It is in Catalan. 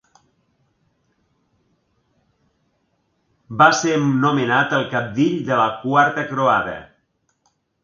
Va ser nomenat el cabdill de la quarta croada.